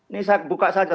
ini saya buka saja